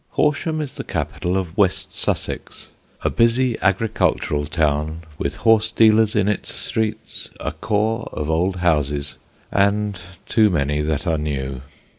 Horsham is the capital of West Sussex: a busy agricultural town with horse dealers in its streets, a core of old houses, and too many that are new.